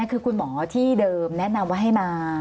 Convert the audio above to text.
คือคุณหมอที่เดิมแนะนำว่าให้มา